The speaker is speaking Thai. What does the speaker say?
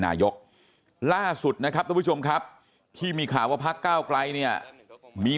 นายกล่าสุดนะครับทุกผู้ชมครับที่มีข่าวว่าพักเก้าไกลเนี่ยมี